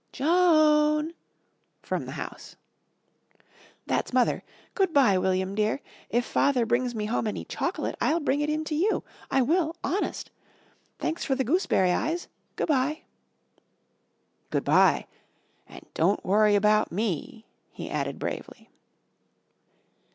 "Joan!" from the house. "That's Mother. Good bye, William dear. If Father brings me home any chocolate, I'll bring it in to you. I will honest. Thanks for the Gooseberry Eyes. Good bye." "Good bye and don't worry about me," he added bravely.